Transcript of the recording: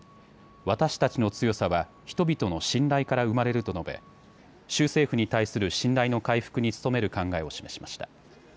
私たちの強さは人々の信頼から生まれると述べ州政府に対する信頼の回復に努める考えを示しました。